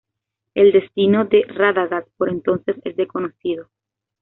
El destino de Radagast por entonces es desconocido.